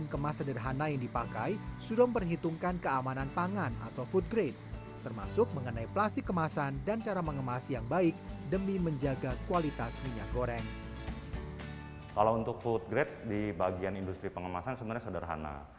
kalau untuk food grade di bagian industri pengemasan sebenarnya sederhana